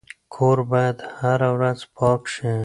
کور باید هره ورځ پاک شي.